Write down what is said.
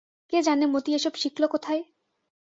কে জানে মতি এসব শিখল কোথায়!